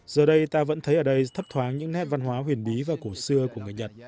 giờ đây ta vẫn thấy ở đây thấp thoáng những nét văn hóa huyền bí và cổ xưa của người nhật